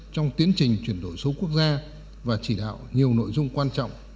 trong tiến trình chuyển đổi số quốc gia và chỉ đạo nhiều nội dung quan trọng